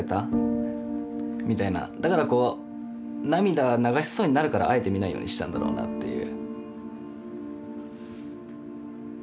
だからこう涙流しそうになるからあえて見ないようにしてたんだろうなっていう。